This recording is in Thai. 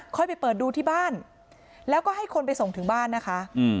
ค่อยไปเปิดดูที่บ้านแล้วก็ให้คนไปส่งถึงบ้านนะคะ